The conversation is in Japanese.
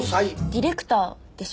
ディレクターでしょ。